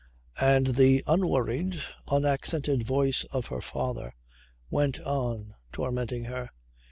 And the unworried, unaccented voice of her father went on tormenting her.